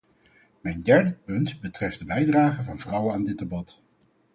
Mijn derde punt betreft de bijdrage van vrouwen aan dit debat.